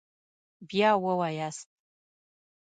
بیا ووایاست